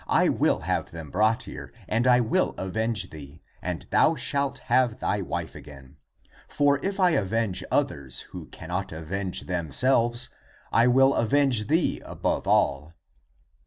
I will have them brought here, and I will avenge thee, and thou shalt have thy wife again. For if I avenge others who cannot avenge themselves, I will avenge thee above all."